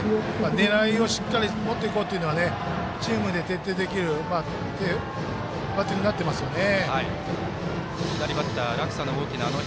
狙いをしっかり持っていこうというのはチームで徹底できるバッティングになっていますよね。